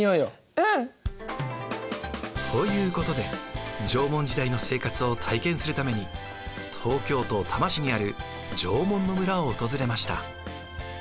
うん。ということで縄文時代の生活を体験するために東京都多摩市にある縄文の村を訪れました。